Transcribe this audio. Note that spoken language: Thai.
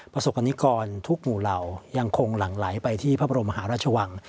ประสบกรณิกรทุกหมู่เหล่ายังคงหลั่งไหลไปที่พระบรมมหาราชวัง